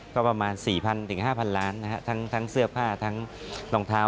ก็ประมาณ๔๐๐๕๐๐ล้านนะฮะทั้งเสื้อผ้าทั้งรองเท้า